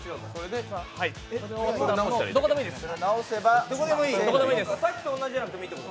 どこでもいいです。